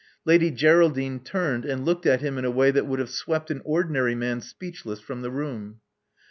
Lady Geraldine turned and looked at him in a way that would have swept an ordinary man speechless from the room.